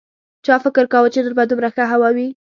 چا فکر کاوه چې نن به دومره ښه هوا وي